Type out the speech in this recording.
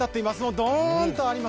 どーんとあります。